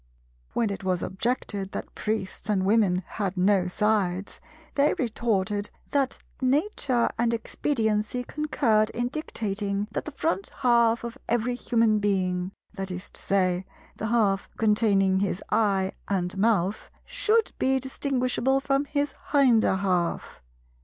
When it was objected that Priests and Women had no sides, they retorted that Nature and Expediency concurred in dictating that the front half of every human being (that is to say, the half containing his eye and mouth) should be distinguishable from his hinder half.